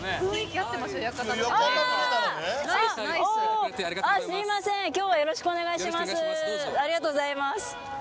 ありがとうございます。